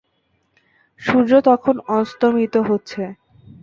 সূর্য তখন অস্তমিত হচ্ছে।